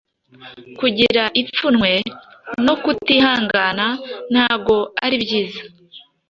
kugira ipfunwe, no kutihangana ntago ari byiza